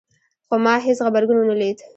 خو ما هیڅ غبرګون ونه لید